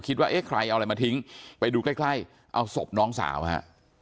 คิดว่าเอ๊ะใครเอาอะไรมาทิ้งไปดูใกล้เอาศพน้องสาวมา